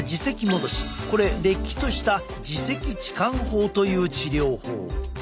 これれっきとした耳石置換法という治療法。